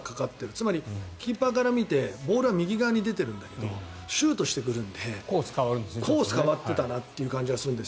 つまり、キーパーから見てボールは右側に出てるんだけどシュートしてくるのでコースが変わってたなっていう感じがするんです。